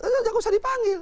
jangan usah dipanggil